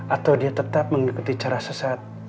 atau dia tetap mengikuti cara sesat